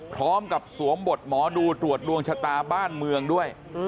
สวมบทหมอดูตรวจดวงชะตาบ้านเมืองด้วย